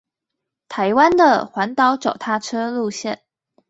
台灣的環島腳踏車路線